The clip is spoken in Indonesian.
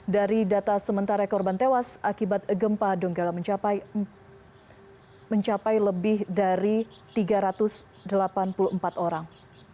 dari data sementara korban tewas akibat gempa donggala mencapai lebih dari tiga ratus delapan puluh empat orang